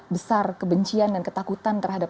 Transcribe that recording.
besar kebencian dan ketakutan terhadap